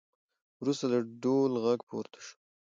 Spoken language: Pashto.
وروسته د ډول غږ پورته شو